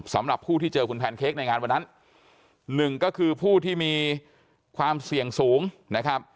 สำหรับผู้ที่เจอคุณแพนเค้กในงานวันนั้นหนึ่งก็คือผู้ที่มีความเสี่ยงสูงนะครับ